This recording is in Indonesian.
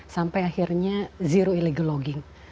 sampai akhirnya zero illegal logging